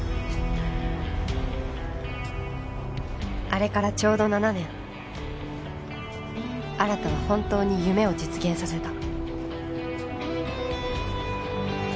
あれからちょうど７年新は本当に夢を実現させた